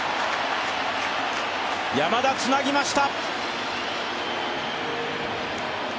山田、つなぎました。